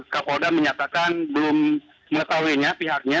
kapolda menyatakan belum mengetahuinya pihaknya